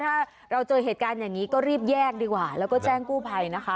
ถ้าเราเจอเหตุการณ์อย่างนี้ก็รีบแยกดีกว่าแล้วก็แจ้งกู้ภัยนะคะ